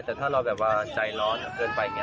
แต่ถ้าเราแบบว่าใจร้อนเกินไปอย่างนี้